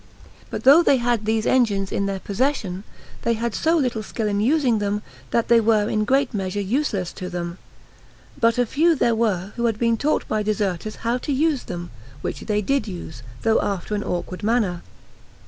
But though they had these engines in their possession, they had so little skill in using them, that they were in great measure useless to them; but a few there were who had been taught by deserters how to use them, which they did use, though after an awkward manner.